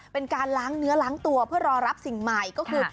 เป็นการล้างเนื้อล้างตัวเพื่อรอรับสิ่งใหม่ก็คือ